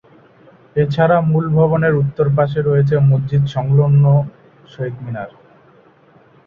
এছাড়া মূল ভবনের উত্তর পাশে রয়েছে মসজিদ সংলগ্ন শহীদ মিনার।